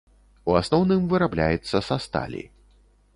У асноўным вырабляецца са сталі.